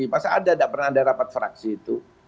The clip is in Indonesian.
masa anda nggak pernah ada rapat fraksi itu